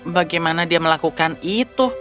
bagaimana dia melakukan itu